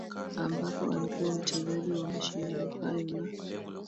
Ambako alikuwa mchezaji wa mashindano hayo na